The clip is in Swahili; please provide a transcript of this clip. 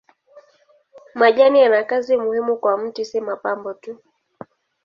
Majani yana kazi muhimu kwa mti si mapambo tu.